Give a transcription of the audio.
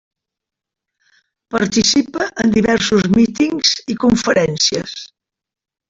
Participa en diversos mítings i conferències.